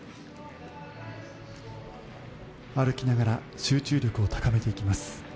歩きながら集中力を高めていきます。